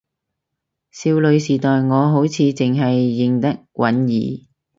少女時代我好似淨係認得允兒